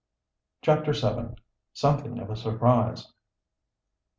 CHAPTER VII. SOMETHING OF A SURPRISE.